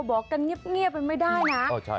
บอกกันเงียบมันไม่ได้นะ